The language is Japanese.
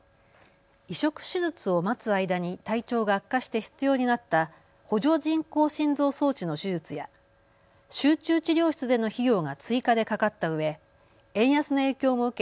移植手術を待つ間に体調が悪化して必要になった補助人工心臓装置の手術や集中治療室での費用が追加でかかったうえ円安の影響も受け